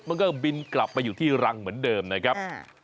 มันก็บินกลับไปอยู่ที่รังเหมือนเดิมนะครับ